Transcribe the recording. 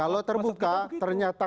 kalau terbuka ternyata